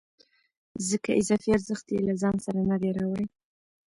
ځکه اضافي ارزښت یې له ځان سره نه دی راوړی